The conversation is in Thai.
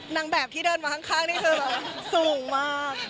นางแบบที่เดินมาข้างนี่คือสูงมาก